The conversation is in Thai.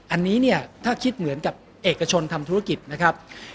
อันนี้เนี่ยถ้าคิดเหมือนกับเอกชนทำธุรกิจนะครับ